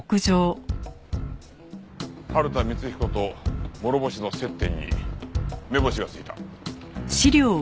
春田光彦と諸星の接点に目星がついた。